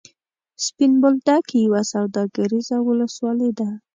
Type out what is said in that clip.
سپین بولدک یوه سوداګریزه ولسوالي ده.